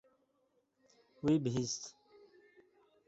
Wî bihîst.